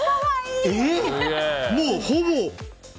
もう、ほぼ。